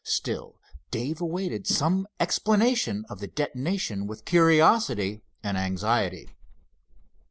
Still Dave awaited some explanation of the detonation with curiosity and anxiety.